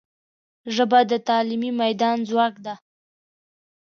ژبه د تعلیمي میدان ځواک ده